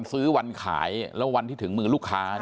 วันขายแล้ววันที่ถึงมือลูกค้า